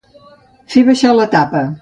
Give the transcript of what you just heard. Fer baixar la tapa.